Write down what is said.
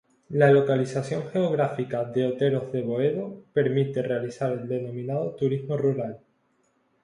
La localización geográfica de Oteros de Boedo permite realizar el denominado turismo rural.